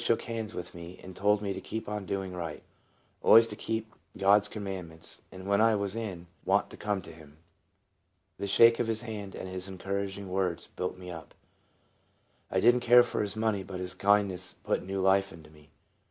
shook hands with me, and told me to keep on doing right, always to keep God's commandments, and when I was in want to come to him. The shake of his hand and his encouraging words built me up. I did n't care for his money, but his kindness put new life into me.